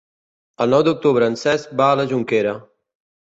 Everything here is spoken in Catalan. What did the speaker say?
El nou d'octubre en Cesc va a la Jonquera.